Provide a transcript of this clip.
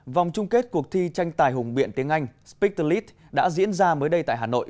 vòng chung kết cuộc thi tranh tài hùng biện tiếng anh speak to lead đã diễn ra mới đây tại hà nội